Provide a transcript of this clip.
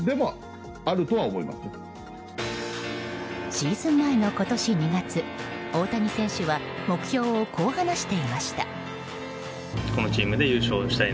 シーズン前の今年２月大谷選手は目標をこう話していました。